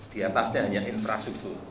di atasnya hanya infrastruktur